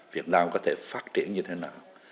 việt nam có thể phát triển như thế nào